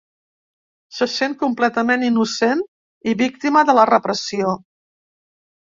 Se sent completament innocent i víctima de la repressió.